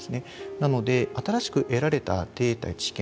なので新しく得られたデータや知見